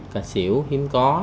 cà xỉu hiếm có